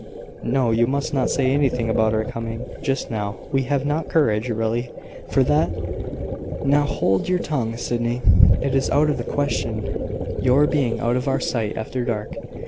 No; you must not say anything about our coming just now. We have not courage, really, for that. Now hold your tongue, Sydney. It is out of the question your being out of our sight after dark.